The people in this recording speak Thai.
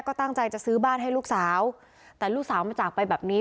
ก็ตั้งใจจะซื้อบ้านให้ลูกสาวแต่ลูกสาวมาจากไปแบบนี้